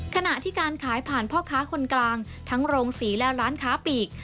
ขณะที่การขายผ่านพ่อค้าคนกลางทั้งโรงศรีและร้านค้าปีก